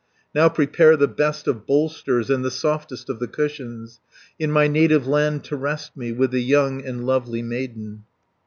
Now prepare the best of bolsters, And the softest of the cushions, In my native land to rest me. With the young and lovely maiden."